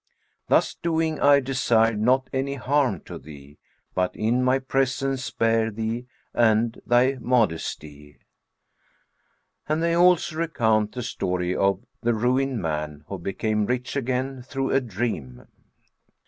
Thus doing I desired not any harm to thee * But in my presence spare thee and thy modesty." And they also recount the story of THE RUINED MAN WHO BECAME RICH AGAIN THROUGH A DREAM.